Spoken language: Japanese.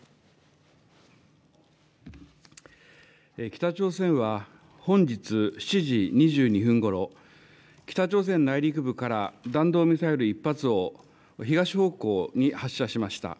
北朝鮮は本日７時２２分ごろ、北朝鮮内陸部から弾道ミサイル１発を、東方向に発射しました。